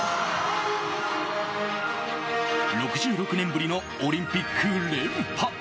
６６年ぶりのオリンピック連覇。